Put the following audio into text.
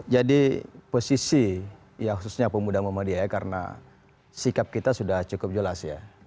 jadi posisi ya khususnya pemuda muhammadiyah ya karena sikap kita sudah cukup jelas ya